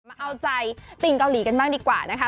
เอาใจติ่งเกาหลีกันบ้างดีกว่านะคะ